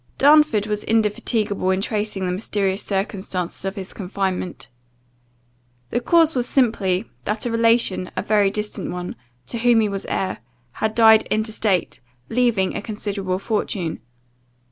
Darnford was indefatigable in tracing the mysterious circumstances of his confinement. The cause was simply, that a relation, a very distant one, to whom he was heir, had died intestate, leaving a considerable fortune.